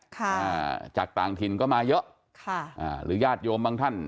ค่ะจากต่างถิ่นก็มาเยอะค่ะอ่าหรือญาติโยมบางท่าน